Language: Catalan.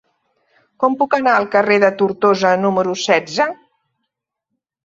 Com puc anar al carrer de Tortosa número setze?